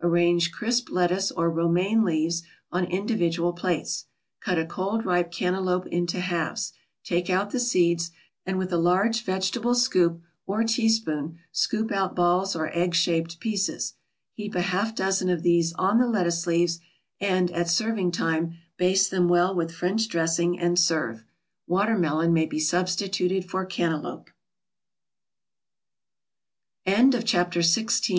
Arrange crisp lettuce or Romaine leaves on individual plates. Cut a cold ripe cantaloupe into halves, take out the seeds, and with a large vegetable scoop or teaspoon scoop out balls or egg shaped pieces. Heap a half dozen of these on the lettuce leaves, and, at serving time, baste them well with French dressing, and serve. Watermelon may be substituted for cantaloupe. SANDWICHES Sandwiches may be made fro